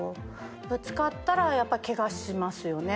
ぶつかったらやっぱケガしますよね。